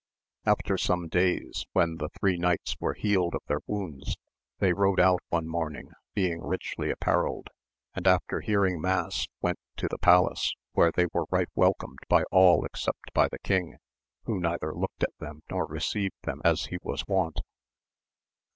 After some days, when the three knights were healed of their wounds, they rode out one morning being richly apparelled, and after hearing mass went to the palace, where they were right welcomed by all except by the king, who neither looked at them nor received them as he was wont.